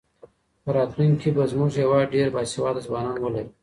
په راتلونکي کې به زموږ هېواد ډېر باسواده ځوانان ولري.